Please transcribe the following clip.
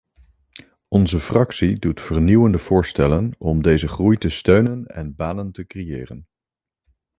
Onze fractie doet vernieuwende voorstellen om deze groei te steunen en banen te creëren.